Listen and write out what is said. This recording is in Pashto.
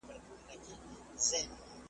دوه خورجینه .